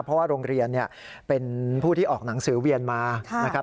เพราะว่าโรงเรียนเป็นผู้ที่ออกหนังสือเวียนมานะครับ